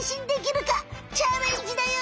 チャレンジだよ！